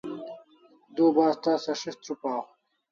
Du bas tasa s'is' trupaw